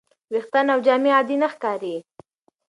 ویښتان او جامې عادي نه ښکاري.